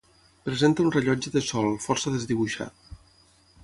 Presenta un rellotge de sol, força desdibuixat.